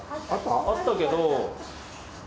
あったけどあっ！